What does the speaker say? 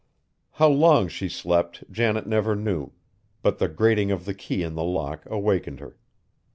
How long she slept Janet never knew, but the grating of the key in the lock awakened her.